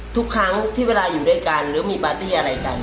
ทุกครั้งที่เวลาอยู่ด้วยกันหรือมีปาร์ตี้อะไรกัน